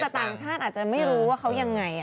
แต่ต่างชาติอาจจะไม่รู้ว่าเขายังไง